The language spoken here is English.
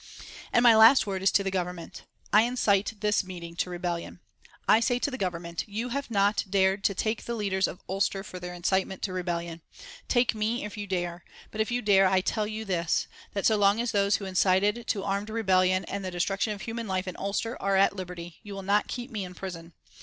And my last word is to the Government: I incite this meeting to rebellion. I say to the Government: You have not dared to take the leaders of Ulster for their incitement to rebellion. Take me if you dare, but if you dare I tell you this, that so long as those who incited to armed rebellion and the destruction of human life in Ulster are at liberty, you will not keep me in prison.